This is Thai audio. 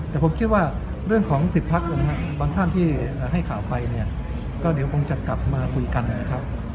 แต่ผมคิดว่าเรื่องของ๑๐พักนะครับบางท่านที่ให้ข่าวไปเนี่ยก็เดี๋ยวคงจะกลับมาคุยกันนะครับ